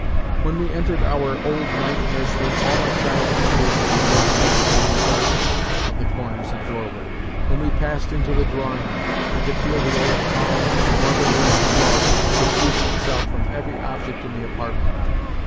When we entered our old night nursery, all my childish fears lurked once more in the darkness of the corners and doorway. When we passed into the drawing room, I could feel the old calm motherly love diffusing itself from every object in the apartment.